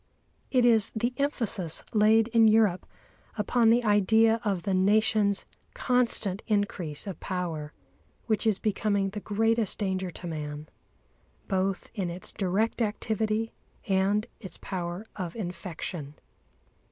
It is the emphasis laid in Europe upon the idea of the Nation's constant increase of power, which is becoming the greatest danger to man, both in its direct activity and its power of infection.